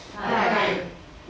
はい